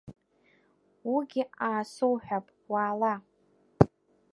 Уигьы аасоуҳәап, уаала!